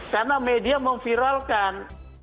karena media memviralkan